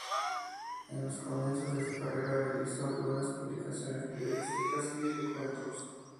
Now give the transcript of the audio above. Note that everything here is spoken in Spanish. En los comienzos de su carrera realizó algunas publicaciones periodísticas y de cuentos.